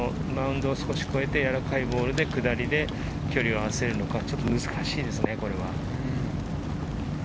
ラウンドを少し越えて、やわらかいボールで下りで距離を合わせるのか難しいですね。